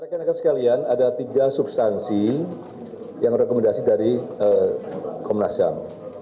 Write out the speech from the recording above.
rekan rekan sekalian ada tiga substansi yang rekomendasi dari komnas ham